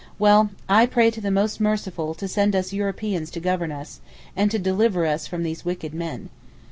Well, I pray to the most Merciful to send us Europeans to govern us, and to deliver us from these wicked men.